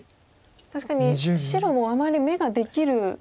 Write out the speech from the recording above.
確かに白もあまり眼ができる。